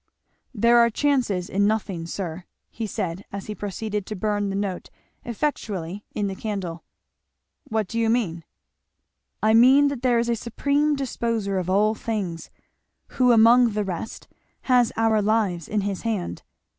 "There are chances in nothing, sir," he said, as he proceeded to burn the note effectually in the candle. "What do you mean?" "I mean that there is a Supreme Disposer of all things, who among the rest has our lives in his hand.